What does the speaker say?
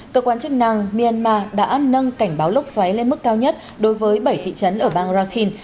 cơ quan chức năng myanmar đã nâng cảnh báo lốc xoáy lên mức cao nhất đối với bảy thị trấn ở bang rakhin